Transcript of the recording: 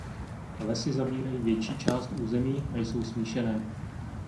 Lesy zabírají větší část území a jsou smíšené.